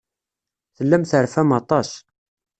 Tellam terfam aṭas.